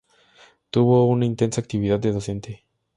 Tuvo una intensa actividad de docente.